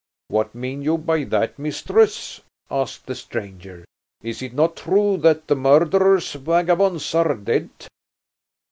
"What mean you by that, mistress?" asked the stranger. "Is it not true that the murderous vagabonds are dead?"